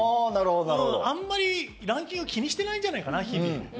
あんまりランキングを気にしてないんじゃないかな？